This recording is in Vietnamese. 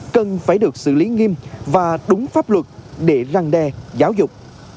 cần phải được xử lý nghiêm và đúng pháp luật để răng đe giáo dục